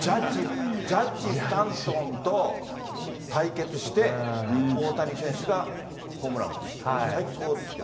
ジャッジ、スタンソンと対決して、大谷選手がホームラン打つ、最高ですよ。